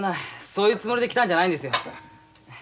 そういうつもりで来たんじゃないんですよ。